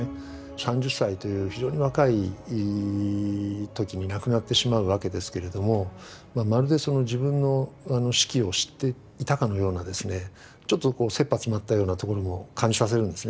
３０歳という非常に若い時に亡くなってしまうわけですけれどもまるで自分の死期を知っていたかのようなですねちょっとせっぱ詰まったようなところも感じさせるんですね。